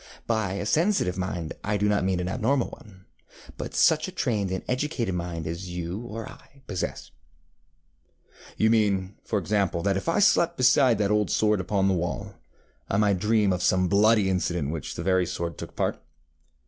By a sensitive mind I do not mean an abnormal one, but such a trained and educated mind as you or I possess. ŌĆØ ŌĆ£You mean, for example, that if I slept beside that old sword upon the wall, I might dream of some bloody incident in which that very sword took part?